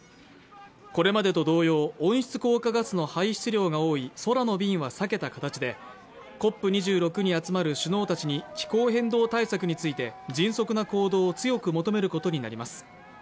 これまでと同様、温室効果ガスの排出量が多い空の便は避けた形でＣＯＰ２６に集まる首脳たちに気候変動対策について迅速な対応を強く求めることになります。